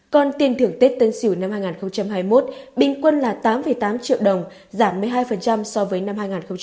còn tiền thưởng tết tân sỉu năm hai nghìn hai mươi một bình quân là tám tám triệu đồng giảm một mươi hai so với năm hai nghìn hai mươi hai